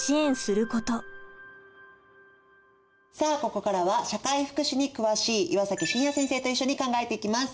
ここからは社会福祉に詳しい岩崎晋也先生と一緒に考えていきます。